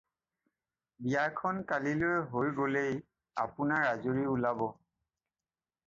বিয়াখন কালিলৈ হৈ গ'লেই আপোনাৰ আজৰি ওলাব।